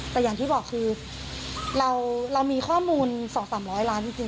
แต่อย่างที่บอกคือเรามีข้อมูล๒๓๐๐ล้านจริง